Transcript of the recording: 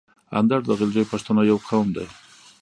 اندړ د غلجیو پښتنو یو قوم ده.